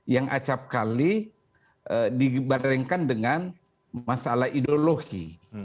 yang acapkali dibarengkan dengan masalah ideologi